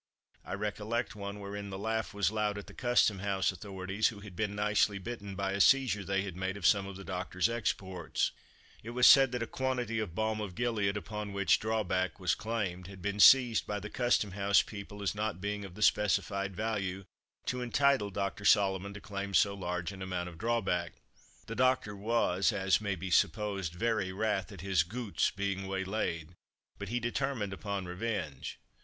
I recollect one wherein the laugh was loud at the Custom house authorities, who had been nicely bitten by a seizure they had made of some of the doctor's "exports." It was said that a quantity of "Balm of Gilead," upon which drawback was claimed, had been seized by the Custom house people as not being of the specified value to entitle Dr. Solomon to claim so large an amount of drawback. The doctor was, as may be supposed, very wrath at his "goots" being waylaid, but he determined upon revenge.